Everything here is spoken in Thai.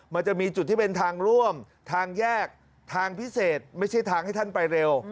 มันจะมีจุดที่เป็นทางร่วมทางแยกทางพิเศษไม่ใช่ทางให้ท่านไปเร็ว